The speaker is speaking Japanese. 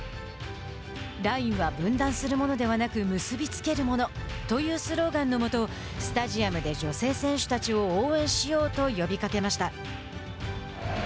ラインは分断するものではなく結び付けるものというスローガンのもとスタジアムで女子選手たちを応援しようと呼びかけました。